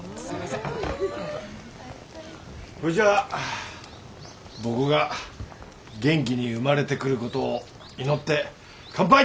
ほいじゃあボコが元気に生まれてくる事を祈って乾杯！